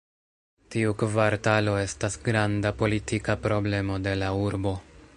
Tiu kvartalo estas granda politika problemo de la urbo.